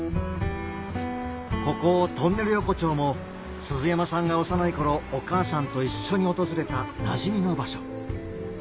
こことんねる横丁も鈴山さんが幼い頃お母さんと一緒に訪れたなじみの場所